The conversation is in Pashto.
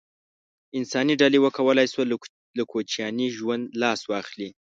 انساني ډلې وکولای شول له کوچیاني ژوند لاس واخلي.